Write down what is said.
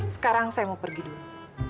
sekarang saya mau pergi dulu